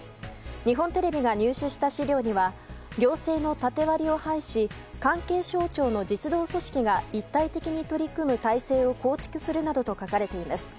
日本テレビが入手した資料には行政の縦割りを排し関係省庁の実働組織が一体的に取り組む体制を構築するなどと書かれています。